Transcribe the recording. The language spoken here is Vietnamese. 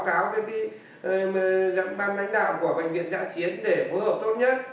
báo cáo với ban lãnh đạo của bệnh viện giã chiến để phối hợp tốt nhất